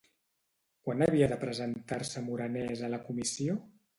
Quan havia de presentar-se Morenés a la Comissió?